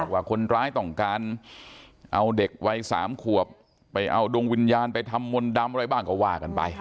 ว่าคนร้ายต้องการเอาเด็กวัย๓ขวบไปเอาดวงวิญญาณไปทำมนต์ดำอะไรบ้างก็ว่ากันไป